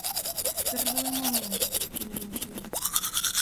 Perdoe un momento, señor Mexía.